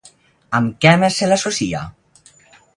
Amb què més se l'associa?